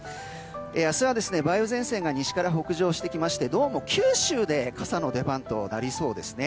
明日は梅雨前線が西から北上してきましてどうも九州で傘の出番となりそうです。